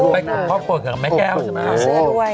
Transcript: ไปกับพ่อคูณเหมือนกับแม่แก้วใช่ไหม